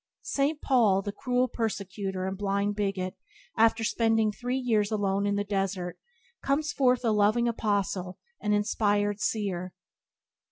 St. Paul, the cruel persecutor and blind bigot, after spending three years alone in the desert, comes forth a loving apostle and an inspired seer.